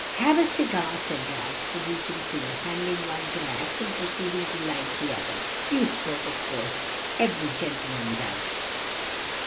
"Have a cigar?" said Ralph, producing two, handing one to Max, and proceeding to light the other. "You smoke, of course; every gentleman does."